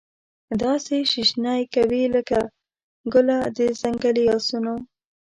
داسي شیشنی کوي لکه ګله د ځنګلې اسانو